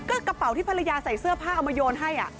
ก็กระเป๋าที่ภรรยาใส่เสื้อผ้าเอามาโยนให้